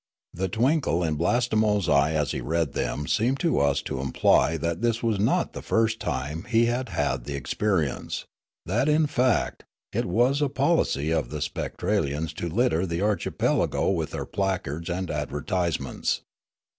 The twinkle in Blastemo's eye as he read them seemed to us to imply that this was not the first time he had had the ex perience; that, in fact, it was a polic}' of the Spectralians to litter the archipelago with their placards and advert isements.